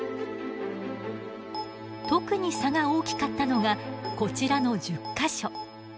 特に差が大きかったのがこちらの１０か所。